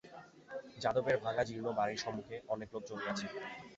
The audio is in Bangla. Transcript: যাদবের ভাঙা জীর্ণ বাড়ির সম্মুখে অনেক লোক জমিয়াছে।